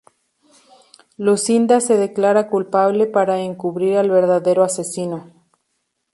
Lucinda se declara culpable para encubrir al verdadero asesino.